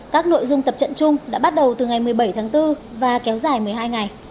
các nội dung tập trận chung đã bắt đầu từ ngày một mươi bảy tháng bốn và kéo dài một mươi hai ngày